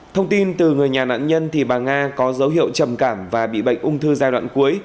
thông tin từ người nhà nạn nhân thì bà nga có dấu hiệu trầm cảm và bị bệnh ung thư giai đoạn cuối